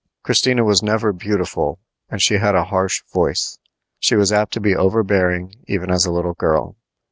Christina was never beautiful, and she had a harsh voice. She was apt to be overbearing even as a little girl.